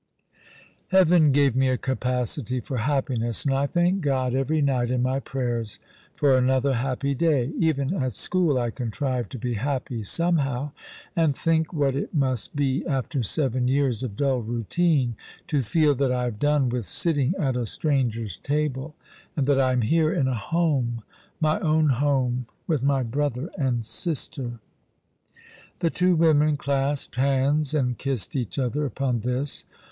Heaven gave me a capacity for happiness, and I thank God every night in my prayers for another happy day. Even at school I contrived to be happy, somehow; and think what it must be after seven years of dull routine to feel that I have done with sitting at a stranger's table and that I am here in a home, my own home, with my brother and sister." The two women clasped hands, and kissed each other upon this.